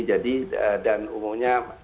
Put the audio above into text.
jadi dan umumnya